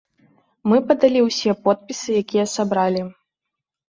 Мы падалі ўсе подпісы, якая сабралі.